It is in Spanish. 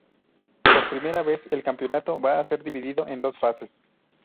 Por primera vez el campeonato va a ser dividido en dos fases.